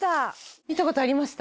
見た事ありました？